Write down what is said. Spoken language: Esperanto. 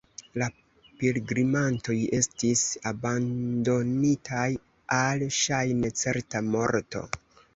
La pilgrimantoj estis abandonitaj al ŝajne certa morto.